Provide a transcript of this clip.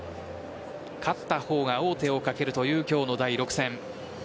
勝った方が王手をかけるという今日の第６戦。